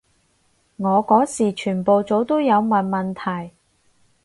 我嗰時全部組都有問問題